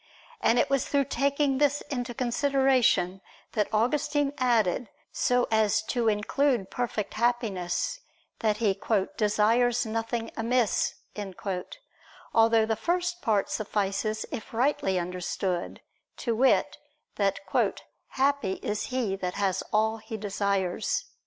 And it was through taking this into consideration that Augustine added so as to include perfect Happiness that he "desires nothing amiss": although the first part suffices if rightly understood, to wit, that "happy is he who has all he desires."